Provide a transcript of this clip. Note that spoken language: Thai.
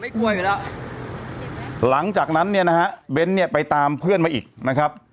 กลัวอยู่แล้วหลังจากนั้นเนี่ยนะฮะเบ้นเนี่ยไปตามเพื่อนมาอีกนะครับ